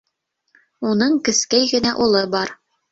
Уның кескәй генә улы бар.